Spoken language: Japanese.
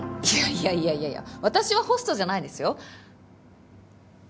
いやいやいや私はホストじゃないですよ。